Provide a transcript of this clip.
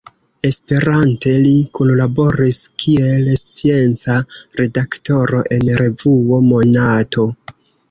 Esperante, li kunlaboris kiel scienca redaktoro en revuo Monato.